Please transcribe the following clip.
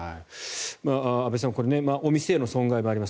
安部さん、これお店への損害もあります。